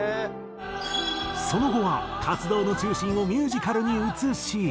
その後は活動の中心をミュージカルに移し。